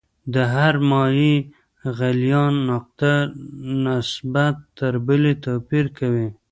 د هرې مایع د غلیان نقطه نسبت تر بلې توپیر کوي.